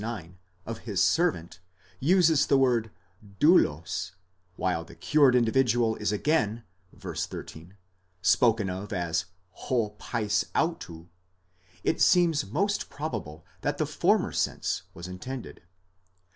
9) of his servant, uses the word δοῦλος, while the cured individual is again (v. 13) spoken of as 6 παῖς αὐτοῦ, it seems most probable that the former sense was intended.